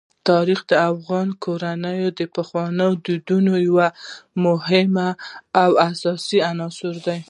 تاریخ د افغان کورنیو د پخوانیو دودونو یو ډېر مهم او اساسي عنصر دی.